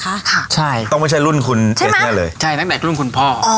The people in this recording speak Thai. ค่ะใช่ต้องไม่ใช่รุ่นคุณใช่ไหมใช่ตั้งแต่รุ่นคุณพ่ออ๋อ